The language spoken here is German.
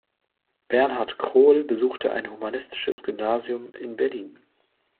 Bernhard Krol besuchte ein Humanistisches Gymnasium in Berlin.